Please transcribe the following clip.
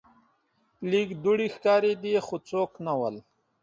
لږ دوړې ښکاریدې خو څوک نه ول.